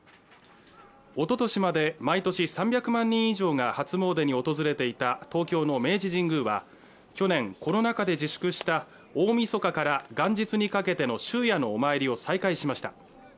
おととしまで毎年、３００万人以上が初詣に訪れていた東京の明治神宮は去年、コロナ禍で自粛した大みそかから元日にかけての終夜のお参りを再開しました。